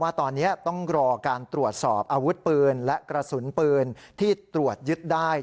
ว่าตอนนี้ต้องรอการตรวจสอบอาวุธปืนและกระสุนปืนที่ตรวจยึดได้